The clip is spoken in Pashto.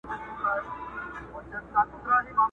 چي مي هر څه غلا کول دې نازولم!!